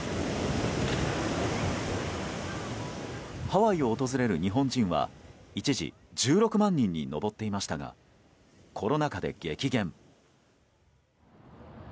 ハワイを訪れる日本人は、一時１６万人に上っていましたがコロナ禍で激減。